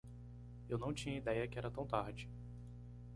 Eu não tinha ideia que era tão tarde.